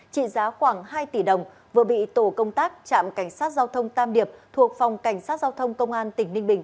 trị giá khoảng hai tỷ đồng vừa bị tổ công tác trạm cảnh sát giao thông tam điệp thuộc phòng cảnh sát giao thông công an tỉnh ninh bình